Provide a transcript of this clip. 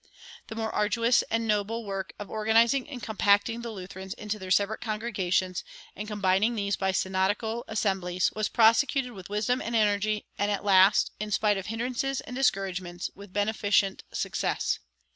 The more arduous and noble work of organizing and compacting the Lutherans into their separate congregations, and combining these by synodical assemblies, was prosecuted with wisdom and energy, and at last, in spite of hindrances and discouragements, with beneficent success.